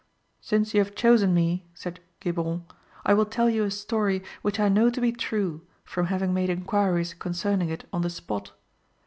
"Since you have chosen me," said Geburon, "I will tell you a story which I know to be true from having made inquiries concerning it on the spot.